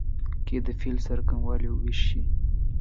قید د فعل څرنګوالی ښيي.